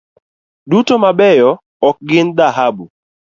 Duto mabeyo ok gin dhahabu.